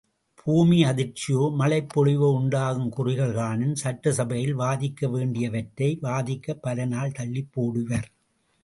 பூமியதிர்ச்சியோ மழைப் பொழிவோ உண்டாகும் குறிகள் காணின், சட்டசபையில் வாதிக்க வேண்டியவற்றை வாதிக்கப் பல நாள் தள்ளிப் போடுவர்.